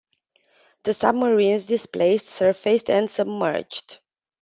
The submarines displaced surfaced and submerged.